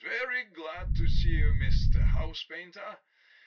Very glad to see you, Mr. House painter!